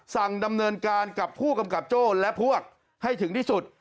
สั่งดำเนินการกับผู้กำกับโจ้และพวกให้ถึงที่สุด